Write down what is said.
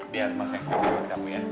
biar mas yang selalu buat kamu ya